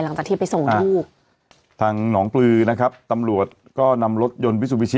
หลังจากที่ไปส่งลูกทางหนองปลือนะครับตำรวจก็นำรถยนต์วิซูบิชิ